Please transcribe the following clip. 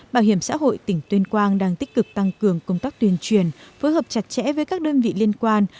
bảo hiểm xã hội tỉnh tuyên quang đang tích cực tăng cường công tác tuyên truyền phối hợp chặt chẽ với các đơn vị liên quan